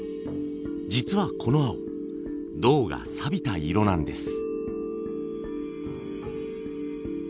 実はこの青銅がさびた色なんです。